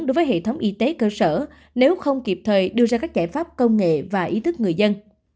đối với hệ thống y tế cơ sở nếu không kịp thời đưa ra các giải pháp công nghệ và ý thức người dân